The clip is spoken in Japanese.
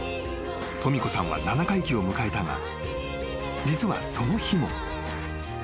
とみ子さんは七回忌を迎えたが実はその日も］